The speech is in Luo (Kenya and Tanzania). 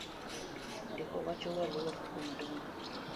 Ndiko wacho waluor jomadongo.